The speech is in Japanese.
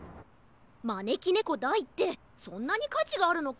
まねきねこ・大ってそんなにかちがあるのか？